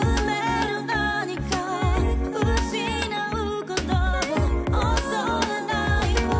「失うことを恐れないわ」